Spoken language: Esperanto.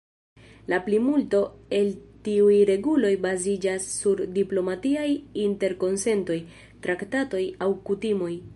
La plimulto el tiuj reguloj baziĝas sur diplomatiaj interkonsentoj, traktatoj aŭ kutimoj.